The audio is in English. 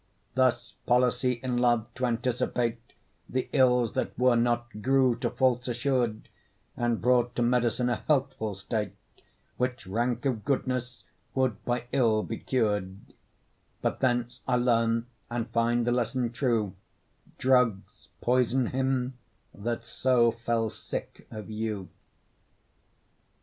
Thus policy in love, to anticipate The ills that were not, grew to faults assur'd, And brought to medicine a healthful state Which, rank of goodness, would by ill be cur'd; But thence I learn and find the lesson true, Drugs poison him that so fell sick of you.